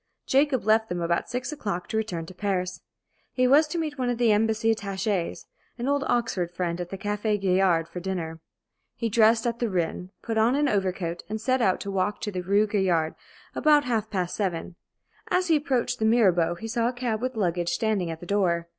Jacob left them about six o'clock to return to Paris. He was to meet one of the Embassy attachés an old Oxford friend at the Café Gaillard for dinner. He dressed at the "Rhin," put on an overcoat, and set out to walk to the Rue Gaillard about half past seven. As he approached the "Mirabeau," he saw a cab with luggage standing at the door.